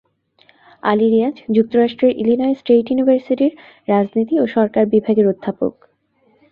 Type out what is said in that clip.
আলী রীয়াজ যুক্তরাষ্ট্রের Illinois State ইউনিভার্সিটির রাজনীতি ও সরকার বিভাগের অধ্যাপক।